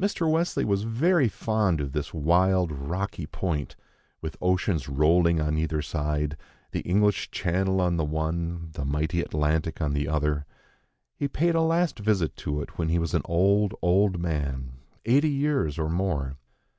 Mr. Wesley was very fond of this wild, rocky point, with oceans rolling on either side, the English Channel on the one, the mighty Atlantic on the other. He paid a last visit to it when he was an old, old man, eighty years or more.